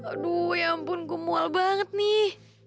aduh ya ampun gemual banget nih